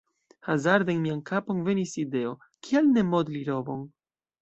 Hazarde en mian kapon venis ideo – kial ne modli robon?